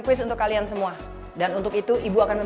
dia tiba tiba nunjuk aku neng